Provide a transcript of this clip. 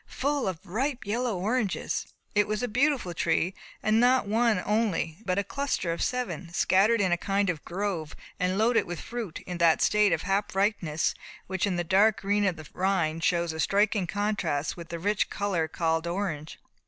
look! full of ripe yellow oranges." It was a beautiful tree, and not one only, but a cluster of seven, scattered in a kind of grove, and loaded with fruit, in that state of half ripeness in which the dark green of the rind shows in striking contrast with the rich colour called orange.